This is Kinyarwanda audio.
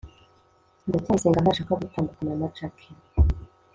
ndacyayisenga ntashaka gutandukana na jaki